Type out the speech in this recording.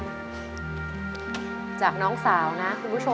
จากน้องสาวนะคุณผู้ชม